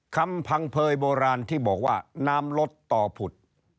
คำพังเผยโบราณที่บอกว่าน้ำลดต่อผุด